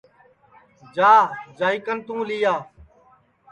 جا جائی کن توں لیا